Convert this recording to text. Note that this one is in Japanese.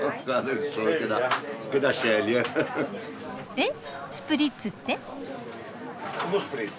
えスプリッツって？